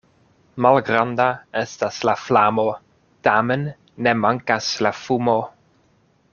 Malgranda estas la flamo, tamen ne mankas la fumo.